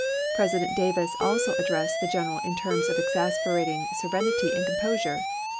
President Davis also addressed the general in terms of exasperating serenity and composure.